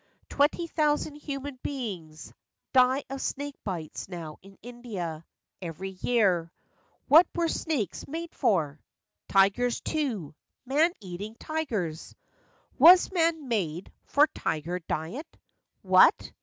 Twenty thousand human beings Die of snake bites now in India Every year. What were snakes made for ? Tigers, too, man eating • tigers; Was man made for tiger diet? What!